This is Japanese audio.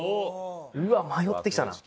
うわっ迷ってきたな。